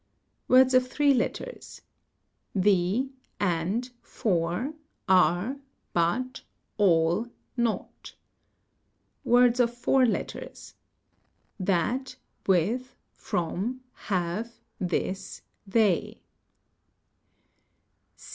Words of three letters :—the, and, for, are, but, all, not. Words of four letters :—that, with, from, have, this, they.